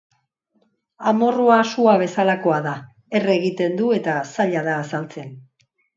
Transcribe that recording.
Amorrua sua bezalakoa da, erre egiten du eta zaila da azaltzen.